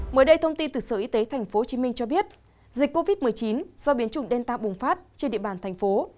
mới đây thông tin từ sở y tế tp hcm cho biết dịch covid một mươi chín do biến chủng đen ta bùng phát trên địa bàn thành phố